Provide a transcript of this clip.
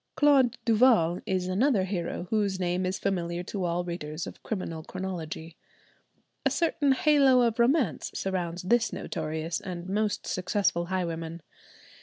Claude Duval is another hero whose name is familiar to all readers of criminal chronology. A certain halo of romance surrounds this notorious and most successful highwayman.